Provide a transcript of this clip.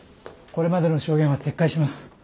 これまでの証言は撤回します。